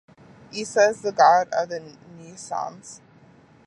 Issa is the god of the Nyissans.